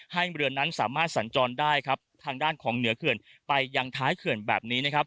ให้เรือนั้นสามารถสันจรได้ทางด้านของเหนือเขื่อนไปยังท้ายเขื่อนแบบนี้